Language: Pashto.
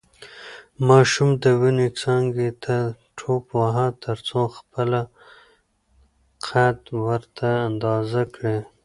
ماشوم د ونې څانګې ته ټوپ واهه ترڅو خپله قد ورسره اندازه کړي.